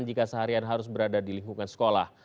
jika seharian harus berada di lingkungan sekolah